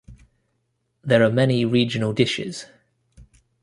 There are many regional dishes.